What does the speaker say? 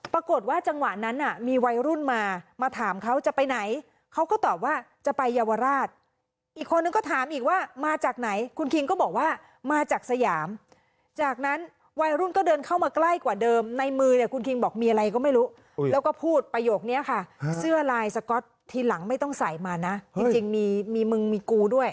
ปรากฏว่าจังหวะนั้นน่ะมีวัยรุ่นมามาถามเขาจะไปไหนเขาก็ตอบว่าจะไปเยาวราชอีกคนนึงก็ถามอีกว่ามาจากไหนคุณคิงก็บอกว่ามาจากสยามจากนั้นวัยรุ่นก็เดินเข้ามาใกล้กว่าเดิมในมือเนี่ยคุณคิงบอกมีอะไรก็ไม่รู้แล้วก็พูดประโยคนี้ค่ะเสื้อลายสก๊อตทีหลังไม่ต้องใส่มานะจริงมีมึงมีกูด้วย